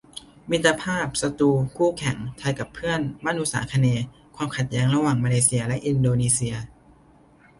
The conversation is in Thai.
มิตรภาพ ศัตรู คู่แข่ง ไทยกับเพื่อนบ้านอุษาคเนย์ : ความขัดแย้งระหว่างมาเลเซียและอินโดนีเซีย